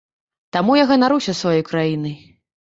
Таму я ганаруся сваёй краінай.